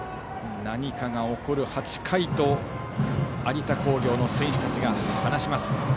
何かが起こる８回と有田工業の選手たちが話します。